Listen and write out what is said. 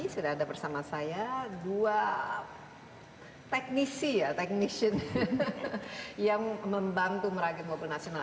sudah ada bersama saya dua teknisi ya teknisi yang membantu meragen mobil nasional